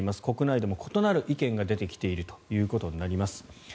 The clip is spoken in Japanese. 国内でも異なる意見が出てきているということになります。